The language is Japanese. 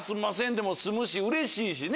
でも済むしうれしいしね